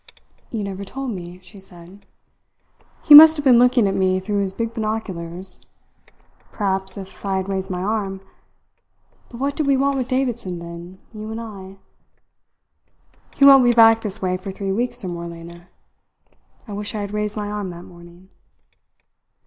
"You never told me," she said. "He must have been looking at me through his big binoculars. Perhaps, if I had raised my arm but what did we want with Davidson then, you and I? He won't be back this way for three weeks or more, Lena. I wish I had raised my arm that morning."